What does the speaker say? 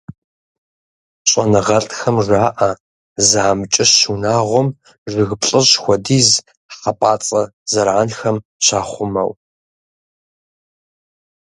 ЩӀэныгъэлӀхэм жаӀэ, зы амкӀыщ унагъуэм жыг плӏыщӏ хуэдиз хьэпӀацӀэ зэранхэм щахъумэу.